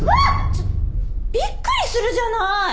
ちょっとびっくりするじゃない！